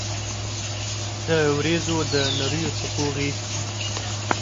د اوریځو د نریو څپو غېږ کې